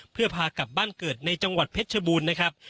เพื่อพากลับบ้านเกิดในจังหวัดเพชรชบูรณ์นะครับ